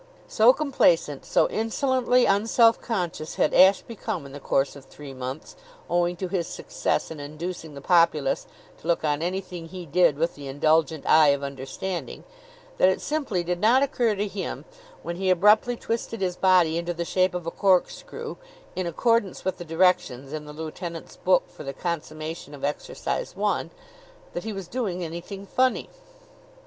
So complacent, so insolently unselfconscious had Ashe become in the course of three months, owing to his success in inducing the populace to look on anything he did with the indulgent eye of understanding, that it simply did not occur to him, when he abruptly twisted his body into the shape of a corkscrew, in accordance with the directions in the lieutenant's book for the consummation of Exercise One, that he was doing anything funny.